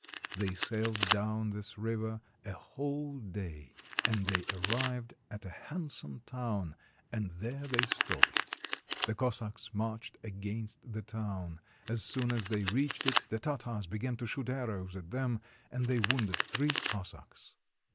They sailed down this river a whole day; and they arrived at a handsome town, and there they stopped. The Cossacks marched against the town. As soon as they reached it, the Tartars began to shoot arrows at them, and they wounded three Cossacks.